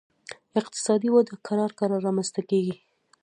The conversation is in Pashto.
اقتصادي وده کرار کرار رامنځته کیږي